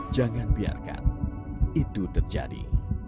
jangan biarkan itu terjadi